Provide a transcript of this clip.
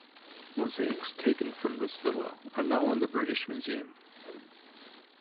Mosaics taken from this villa are now in the British Museum.